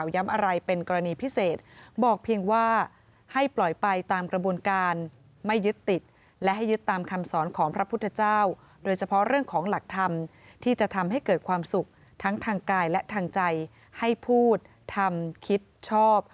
ทั้งทางกายและทางใจให้พูดทำคิดชอบ